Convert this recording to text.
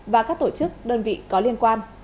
và các tổ chức đơn vị có liên quan